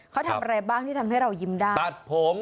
เขาทำอะไรบ้างที่ทำให้เรายิ้มได้ตัดผม